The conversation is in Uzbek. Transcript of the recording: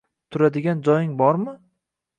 Turadigan joying bormi